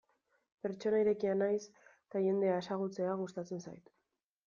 Pertsona irekia naiz eta jendea ezagutzea gustatzen zait.